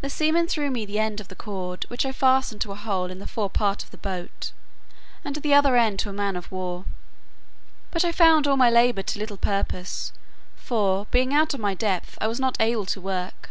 The seamen threw me the end of the cord, which I fastened to a hole in the fore part of the boat, and the other end to a man of war; but I found all my labour to little purpose; for, being out of my depth, I was not able to work.